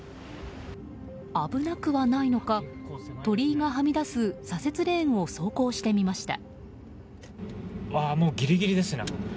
危なくはないのか鳥居がはみ出す左折レーンを走行してみました。